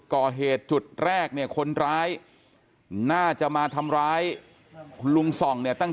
ก่อเหตุจุดแรกเนี่ยคนร้ายน่าจะมาทำร้ายลุงส่องเนี่ยตั้ง